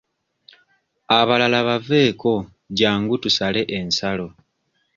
Abalala baveeko jjangu tusale ensalo.